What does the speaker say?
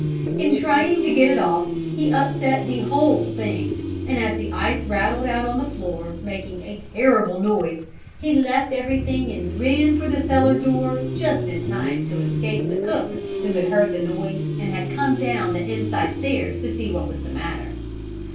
In trying to get it off he upset the whole thing and as the ice rattled out on the floor making a terrible noise, he left everything and ran for the cellar door just in time to escape the cook who had heard the noise and had come down the inside stairs to see what was the matter.